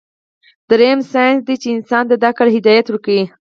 دريم سائنس دے چې انسان ته د عقل هدايت ورکوي